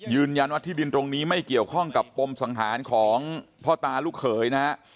ยืนยันว่าที่ดินตรงนี้ไม่เกี่ยวข้องกับปมสังหารของพ่อตาลูกเขยนะฮะ